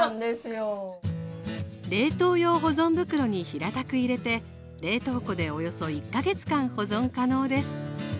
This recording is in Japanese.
冷凍用保存袋に平たく入れて冷凍庫でおよそ１か月間保存可能です。